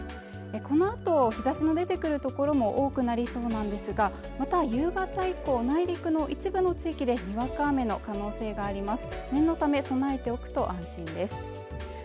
このあと日差しも出てくるところも多くなりそうなんですがまた夕方以降は内陸の一部の地域でにわか雨の可能性があります